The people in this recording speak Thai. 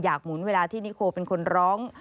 หมุนเวลาที่นิโคเป็นคนร้อง